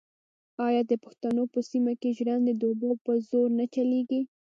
آیا د پښتنو په سیمو کې ژرندې د اوبو په زور نه چلېږي؟